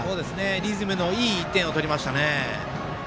リズムのいい１点を取りましたね。